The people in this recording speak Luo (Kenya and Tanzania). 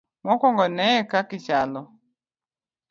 Mokwongo ne e kaka ichalo.